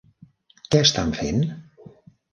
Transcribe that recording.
Què estan fent?